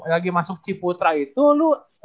lagi masuk ciputra itu lu